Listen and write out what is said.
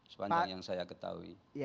sepanjang yang saya ketahui